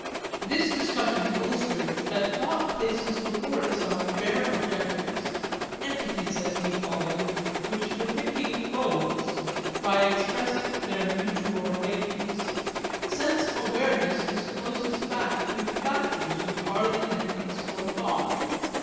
This discussion illustrates that thought places before itself bare objectives, entities as we call them, which the thinking clothes by expressing their mutual relations. Sense awareness discloses fact with factors which are the entities for thought.